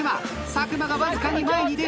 佐久間がわずかに前に出る。